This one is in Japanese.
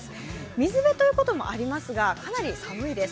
水辺ということもありますが、かなり寒いです。